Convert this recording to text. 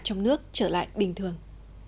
trong nước trở lại bình thường